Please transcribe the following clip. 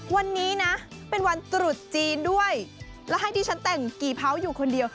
วันนี้นะเป็นวันตรุษจีนด้วยแล้วให้ดิฉันแต่งกี่เผาอยู่คนเดียว